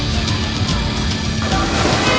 ต้องกลับมาด้วย